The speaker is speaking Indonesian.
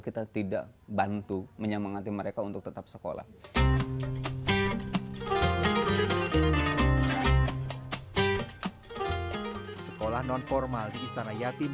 kita tidak bantu menyambungkan mereka untuk tetap sekolah sekolah nonformal di istana yatim